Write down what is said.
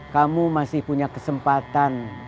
kamu masih punya kesempatan